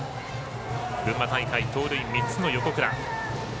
群馬大会、盗塁３つの横倉。